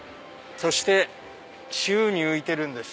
そして宙に浮いてるんです。